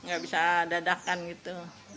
gak bisa dadahkan gitu